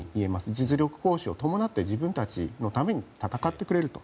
実力行使を伴って自分たちのために戦ってくれると。